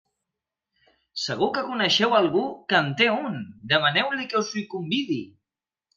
Segur que coneixeu algú que en té un; demaneu-li que us hi convidi!